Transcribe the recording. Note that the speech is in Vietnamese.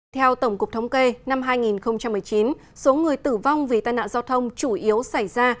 theo tổng cục thống kê năm hai nghìn một mươi chín số người tử vong vì tai nạn giao thông chủ yếu xảy ra